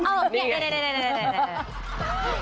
เอ้าเดี๋ยว